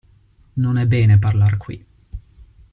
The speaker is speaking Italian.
Non è bene parlar qui.